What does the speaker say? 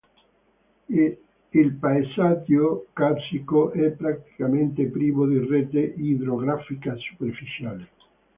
Il paesaggio carsico è praticamente privo di rete idrografica superficiale.